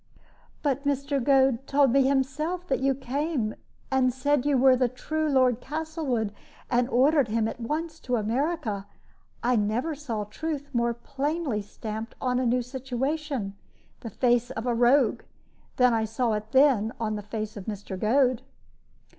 "But Mr. Goad told me himself that you came and said you were the true Lord Castlewood, and ordered him at once to America. I never saw truth more plainly stamped on a new situation the face of a rogue than I saw it then on the face of Mr. Goad."